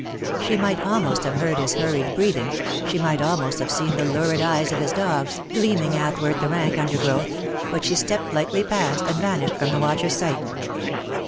She might almost have heard his hurried breathing, she might almost have seen the lurid eyes of his dogs, gleaming athwart the rank under growth ; but she stepped lightly past, and vanished from the watcher^s sight.